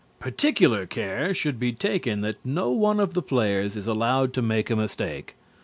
Particular care should be taken that no one of the players is allowed to make a mistake.